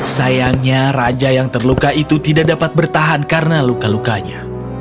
sayangnya raja yang terluka itu tidak dapat bertahan karena luka lukanya